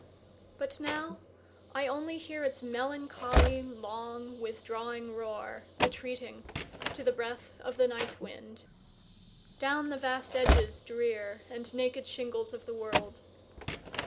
But now I only hearIts melancholy, long, withdrawing roar, Retreating, to the breathOf the night winds, down the vast edges drearAnd naked shingles of the world.